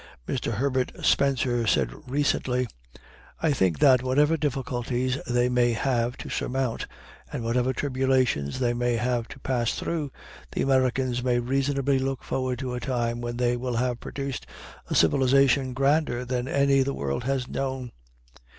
Mr. Herbert Spencer said, recently, "I think that whatever difficulties they may have to surmount, and whatever tribulations they may have to pass through, the Americans may reasonably look forward to a time when they will have produced a civilization grander than any the world has known."